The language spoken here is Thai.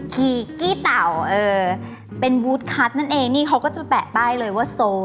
กีต๋าเป็นนั่นเองนี่เขาก็จะแปะใบ้เลยว่าแบ่งเลยว่าซู